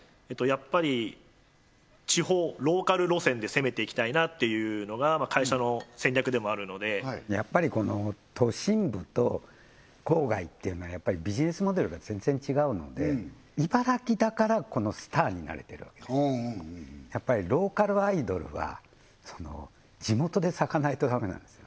やっぱり地方ローカル路線で攻めていきたいなっていうのが会社の戦略でもあるのでやっぱりこの都心部と郊外っていうのはやっぱりビジネスモデルが全然違うので茨城だからこのスターになれてるわけですやっぱりローカルアイドルはその地元で咲かないとダメなんですよ